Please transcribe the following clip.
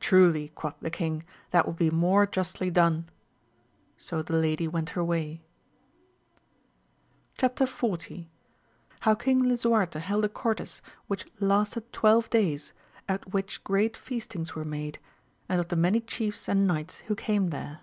Truly, quoth the king, that would be more justly done. So the lady went her way. Chap. XL. — How King Lisuarte held a cortes which lasted twelye days, at which great feastings were made, and of the many chiefs and knights who came there.